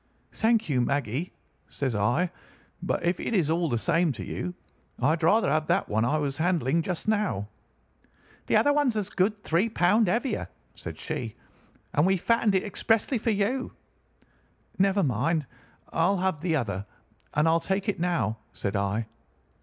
"'Thank you, Maggie,' says I; 'but if it is all the same to you, I'd rather have that one I was handling just now.' "'The other is a good three pound heavier,' said she, 'and we fattened it expressly for you.' "'Never mind. I'll have the other, and I'll take it now,' said I.